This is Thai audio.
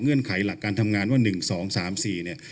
ไขหลักการทำงานว่า๑๒๓๔เนี่ย